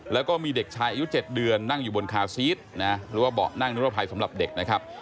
แล้วก็มีเด็กชายอายุ๗เดือนนั่งอยู่บนคาซีสนะหรือว่าเบาะนั่งนิรภัยสำหรับเด็กนะครับ